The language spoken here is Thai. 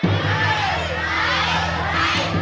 ใช่ใช่ใช่